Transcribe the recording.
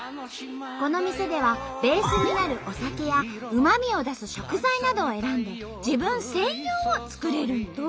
この店ではベースになるお酒やうまみを出す食材などを選んで自分専用を作れるんと！